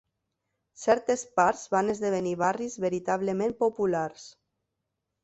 Certes parts van esdevenir barris veritablement populars.